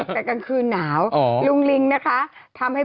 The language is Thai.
แต่กลางคืนหนาว